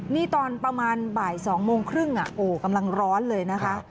นี่ตอนประมาณบ่าย๒โมงครึ่งโอ้กำลังร้อนเลยนะคะ